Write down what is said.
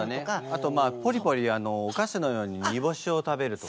あとポリポリおかしのようににぼしを食べるとかね。